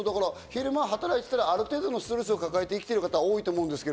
昼間働いていたら、ある程度のストレスを抱えて生きてる方が多いと思います。